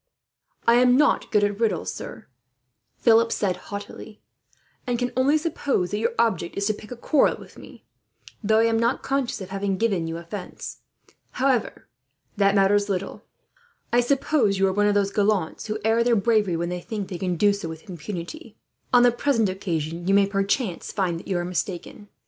"I am not good at riddles, sir," Philip said haughtily, "and can only suppose that your object is to pick a quarrel with me; though I am not conscious of having given you offence. However, that matters little. I suppose you are one of those gallants who air their bravery when they think they can do so, with impunity. On the present occasion you may, perchance, find that you are mistaken.